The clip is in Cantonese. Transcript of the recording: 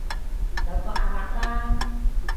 有個阿伯啦